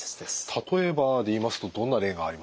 例えばで言いますとどんな例がありますかね？